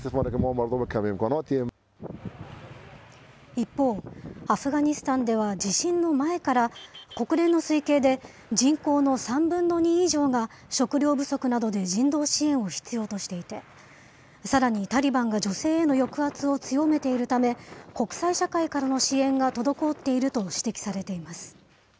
一方、アフガニスタンでは地震の前から国連の推計で人口の３分の２以上が食料不足などで人道支援を必要としていて、さらにタリバンが女性への抑圧を強めているため、国際社会からの支援が滞っていると指摘されています。